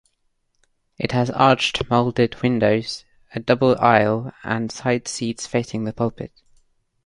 It has arched moulded windows, a double aisle and side seats facing the pulpit.